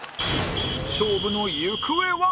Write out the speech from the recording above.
勝負の行方は？